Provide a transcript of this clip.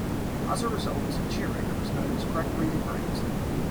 As a result, Giric was known as Gregory the Great.